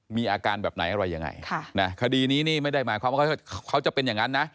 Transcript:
มีอาการแบบไหนอะไรยังไงคดีนี้นี่ไม่ได้หมายความว่าเขาจะเป็นอย่างนั้นนะ